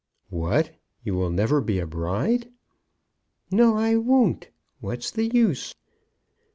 "What; you will never be a bride?" "No; I won't. What's the use?"